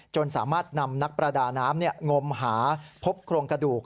สามารถนำนักประดาน้ำงมหาพบโครงกระดูก